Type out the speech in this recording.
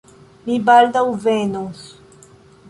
Mi baldaŭ venos.